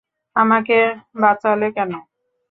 আমাকে বাঁচালে কেন?